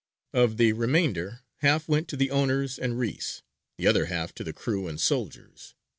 Of the remainder, half went to the owners and reïs, the other half to the crew and soldiers.